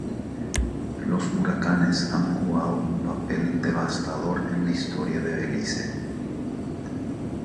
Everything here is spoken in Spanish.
Los huracanes han jugado un papel devastador en la historia de Belice.